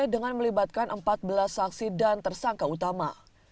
dengan melibatkan empat belas saksi dan tersangka utama